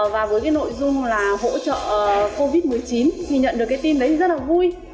và với cái nội dung là hỗ trợ covid một mươi chín thì nhận được cái tin đấy rất là vui